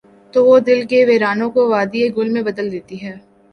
تو وہ دل کے ویرانوں کو وادیٔ گل میں بدل دیتی ہے۔